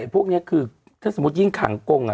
พวกนี้คือถ้าสมมติว่ายิ่งขังกรงอะ